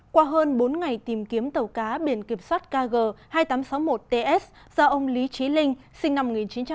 qua hơn bốn ngày tìm kiếm tàu cá biển kiểm soát kg hai nghìn tám trăm sáu mươi một ts do ông lý trí linh sinh năm một nghìn chín trăm tám mươi